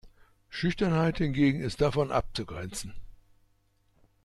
Schüchternheit hingegen ist davon abzugrenzen.